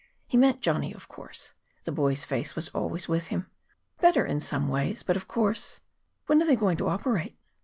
He meant Johnny, of course. The boy's face was always with him. "Better in some ways, but of course " "When are they going to operate?"